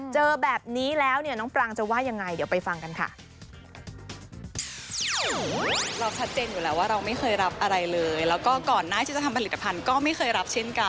เจอแบบนี้แล้วเนี่ยน้องปรางจะว่ายังไงเดี๋ยวไปฟังกันค่ะ